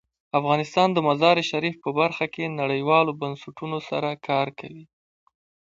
افغانستان د مزارشریف په برخه کې نړیوالو بنسټونو سره کار کوي.